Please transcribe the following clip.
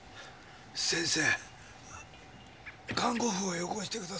先生看護婦をよこしてください。